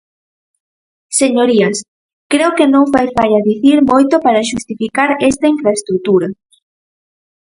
Señorías, creo que non fai falla dicir moito para xustificar esta infraestrutura.